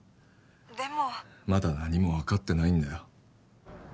☎でもまだ何も分かってないんだよ